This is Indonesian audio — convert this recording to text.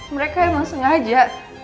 mereka emang sengaja